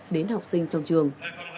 đến học sinh trong trường